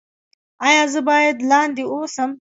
ایا زه باید لاندې اوسم؟